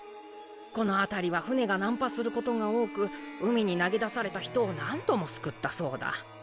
このあたりは船が難破することが多く海に投げ出された人を何度も救ったそうだ。